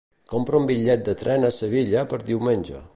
Compra un bitllet de tren a Sevilla per diumenge.